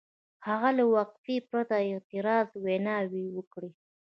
هغه له وقفې پرته اعتراضي ویناوې وکړې.